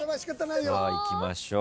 さあいきましょう。